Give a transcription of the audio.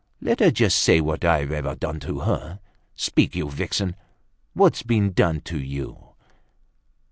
Let her just say what I've ever done to her. Speak, you vixen; what's been done to you?"